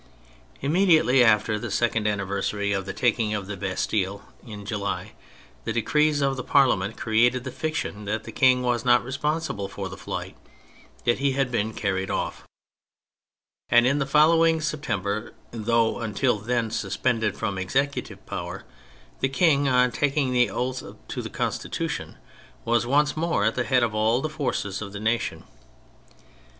Immediately after the second anniversary of the taking of the Bastille, in July, the decrees of Parliament created the fiction that the King was not responsible for the flight, that he " had been carried off," and in the following September, though until then suspended from executive power, the King, on taking the oath to the Constitution, was once more at the head of all the forces of the nation.